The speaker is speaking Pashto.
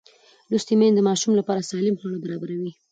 لوستې میندې د ماشوم لپاره سالم خواړه برابروي.